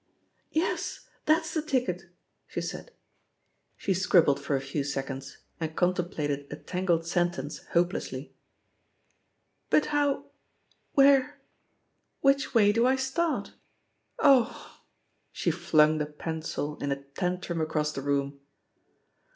"Yes, that's the ticket 1'* she said. She scrilir bled for a few seconds, and contemplated a tangled sentence hopelessly. "But how — ^where — ^which way do I start? Oh I" She flung the pencil in a tantrum across the room.